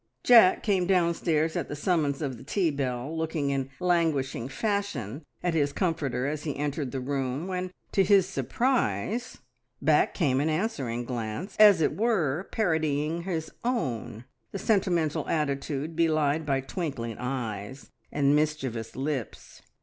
Jack came downstairs at the summons of the tea bell, looking in languishing fashion at his comforter as he entered the room, when, to his surprise, back came an answering glance, as it were parodying his own, the sentimental attitude belied by twinkling eyes and mischievous lips.